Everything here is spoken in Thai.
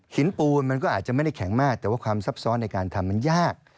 ปูนมันก็อาจจะไม่ได้แข็งมากแต่ว่าความซับซ้อนในการทำมันยาก